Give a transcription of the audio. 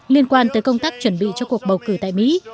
liên quan tới công tác chuẩn bị cho cuộc bầu cử tại mỹ